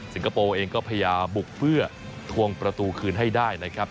คโปร์เองก็พยายามบุกเพื่อทวงประตูคืนให้ได้นะครับ